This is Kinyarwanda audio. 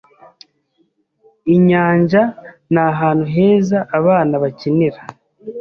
Inyanja ni ahantu heza abana bakinira.